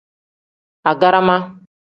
Agarama.